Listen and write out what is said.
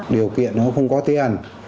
điều kiện nó không có tiền